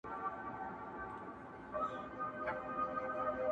ازل مي دي په وینو کي نغمې راته کرلي!!